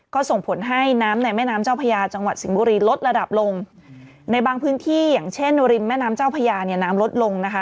ก็ส่งผลให้น้ำในแม่น้ำเจ้าพญาจังหวัดสิงห์บุรีลดระดับลงในบางพื้นที่อย่างเช่นริมแม่น้ำเจ้าพญาเนี่ยน้ำลดลงนะคะ